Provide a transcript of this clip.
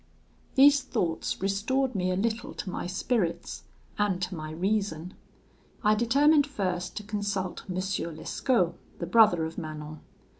"These thoughts restored me a little to my spirits and to my reason. I determined first to consult M. Lescaut, the brother of Manon.